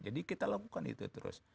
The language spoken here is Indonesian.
jadi kita lakukan itu terus